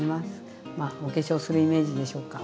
まあお化粧するイメージでしょうか。